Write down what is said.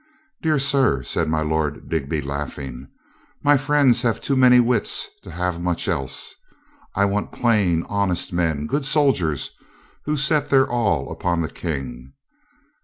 "Dear sir," said my Lord Digby, laughing, "my friends have too many wits to have much else. I want plain, honest men, good soldiers, who set their all upon the King."